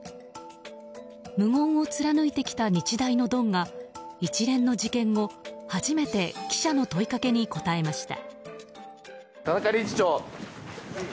無言を貫いてきた日大のドンが一連の事件後、初めて記者の問いかけに答えました。